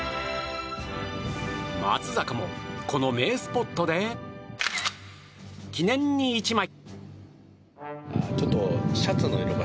松坂も、この名スポットで記念に１枚。